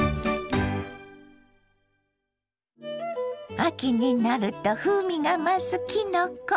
秋になると風味が増すきのこ。